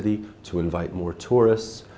tôi mong đợi